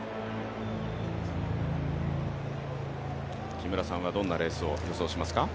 木村さんはどんなレースを予想しますか？